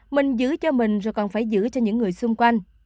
mình giữ cho mình rồi còn phải giữ cho những người xung quanh